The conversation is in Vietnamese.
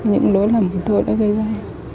những đối lầm của tôi đã gây ra